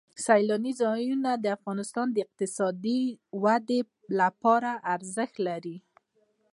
سیلانی ځایونه د افغانستان د اقتصادي ودې لپاره ارزښت لري.